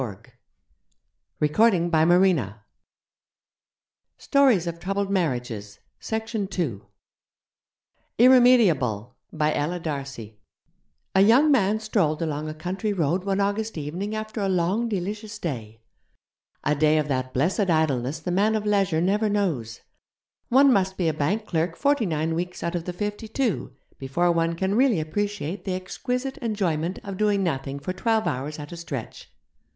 And my conundrum is the most unanswerable of the three. IRREMEDIABLE By Ella D'Arcy (Monochromes, London: John Lane, 1893) A young man strolled along a country road one August evening after a long delicious day a day of that blessed idleness the man of leisure never knows: one must be a bank clerk forty nine weeks out of the fifty two before one can really appreciate the exquisite enjoyment of doing nothing for twelve hours at a stretch.